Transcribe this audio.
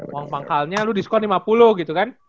uang pangkalnya lu diskon lima puluh gitu kan